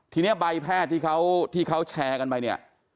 ทีนี้ใบแพทย์ที่เขาแชร์กันไปเนี่ย